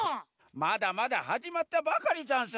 まだまだはじまったばかりざんす。